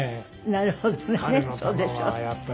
なるほどね。